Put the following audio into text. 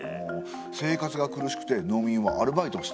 生活が苦しくて農民はアルバイトをしたんですね。